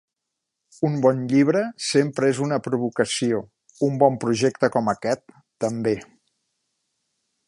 Un bon llibre sempre és una provocació; un bon projecte com aquest, també.